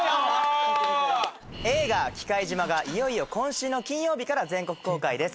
映画「忌怪島」がいよいよ今週の金曜日から全国公開です。